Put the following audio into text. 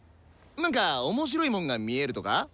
なんか面白いもんが見えるとか？